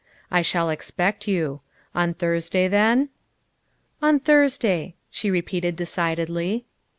I shall expect you. On Thursday then?" " On Thursday," she repeated decidedly.